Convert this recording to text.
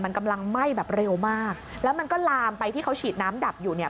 มันกำลังไหม้แบบเร็วมากแล้วมันก็ลามไปที่เขาฉีดน้ำดับอยู่เนี่ย